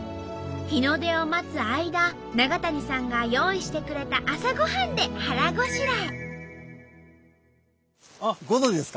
日の出を待つ間長谷さんが用意してくれた朝ごはんで腹ごしらえ。